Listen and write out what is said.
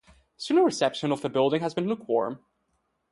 Student reception of the building has been lukewarm.